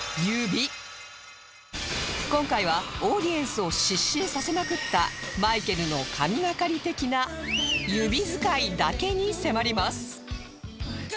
今回はオーディエンスを失神させまくったマイケルの神懸かり的な指づかいだけに迫ります